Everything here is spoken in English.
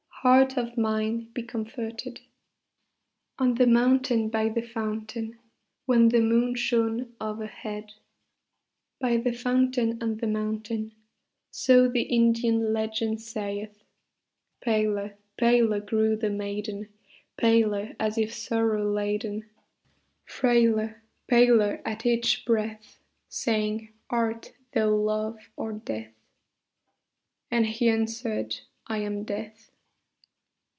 Heart of mine, be comforted!" On the mountain by the fountain When the moon shone overhead. By the fountain on the mountain, So the Indian legend saith, Paler, paler grew the maiden, Paler as if sorrow laden, Frailer, paler at each breath, Saying, "Art thou Love or Death?" And he answered, "I am Death."